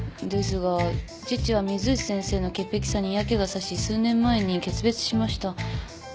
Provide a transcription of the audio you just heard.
ですが父は水内先生の潔癖さに嫌気がさし数年前に決別しました。